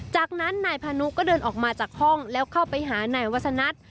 จากนั้นนายพานุก็เดินออกมาจากห้องแล้วเข้าไปหานายวัฒนัท